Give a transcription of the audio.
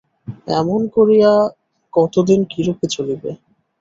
এমন করিয়া কতদিন কিরূপে চলিবে।